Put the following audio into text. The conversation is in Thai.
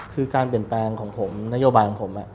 คือการเปลี่ยนแปลงของผมนโยบายของผม